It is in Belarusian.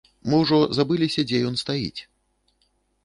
Мы ўжо забыліся, дзе ён стаіць.